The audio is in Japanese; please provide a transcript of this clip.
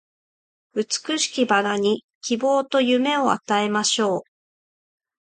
美しき薔薇に希望と夢を与えましょう